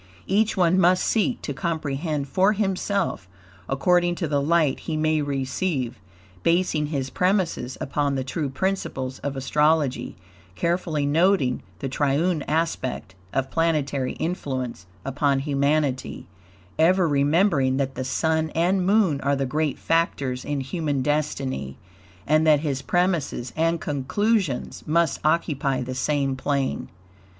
Each one must seek to comprehend for himself, according to the light he may receive, basing his premises upon the TRUE PRINCIPLES of astrology, carefully noting the triune aspect of planetary influence upon humanity, ever remembering that the Sun and Moon are the great factors in human destiny, and that his premises and conclusions must occupy the same plane.